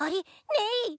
ねい！